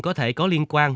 có thể có liên quan